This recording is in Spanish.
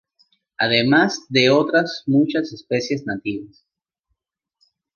Además de otras muchas especies nativas.